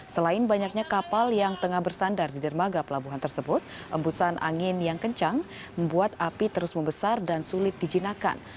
selain banyaknya kapal yang tengah bersandar di dermaga pelabuhan tersebut embusan angin yang kencang membuat api terus membesar dan sulit dijinakan